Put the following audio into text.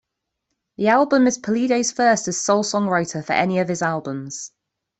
The album is Pulido's first as sole songwriter for any of his albums.